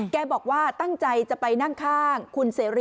แกบอกว่าตั้งใจจะไปนั่งข้างคุณเสรี